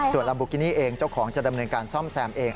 ส่วนลัมบุกินี่เองเจ้าของจะดำเนินการซ่อมแซมเอง